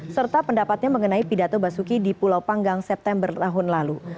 serta pendapatnya mengenai pidato basuki di pulau panggang september tahun lalu